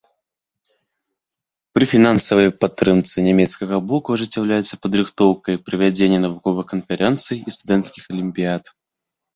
Пры фінансавай падтрымцы нямецкага боку ажыццяўляюцца падрыхтоўка і правядзенне навуковых канферэнцый і студэнцкіх алімпіяд.